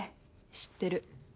知ってる。